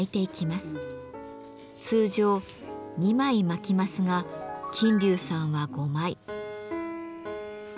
通常２枚巻きますが琴柳さんは５枚。